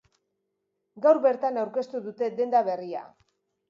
Gaur bertan aurkeztu dute denda berria.